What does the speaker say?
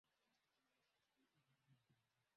Hayo ndio mambo yaliyotokea baada ya kifo cha Sheikh Karume